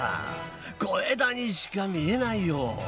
小枝にしか見えないよ。